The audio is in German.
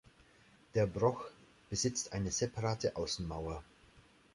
Der Broch besitzt eine separate Außenmauer.